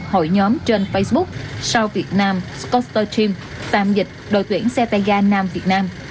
hội nhóm trên facebook south vietnam scooter team tạm dịch đội tuyển xe tay ga nam việt nam